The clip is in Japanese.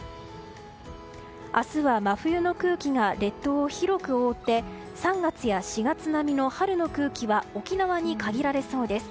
明日は真冬の空気が列島を広く覆って３月や４月並みの春の空気は沖縄に限られそうです。